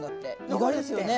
意外ですよね。